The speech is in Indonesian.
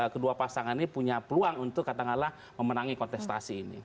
kedua pasangan ini punya peluang untuk katakanlah memenangi kontestasi ini